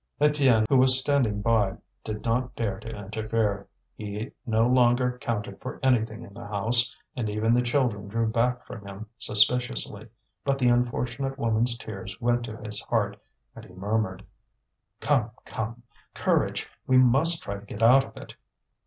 Étienne, who was standing by, did not dare to interfere. He no longer counted for anything in the house, and even the children drew back from him suspiciously. But the unfortunate woman's tears went to his heart, and he murmured: "Come, come! courage! we must try to get out of it."